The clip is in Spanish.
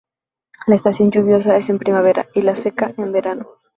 La estación lluviosa es en primavera y la seca en verano.